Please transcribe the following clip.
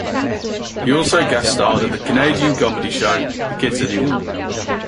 He also guest-starred on the Canadian comedy show "The Kids in the Hall".